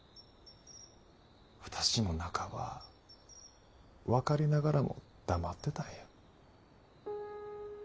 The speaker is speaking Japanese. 私も半ば分かりながらも黙ってたんや。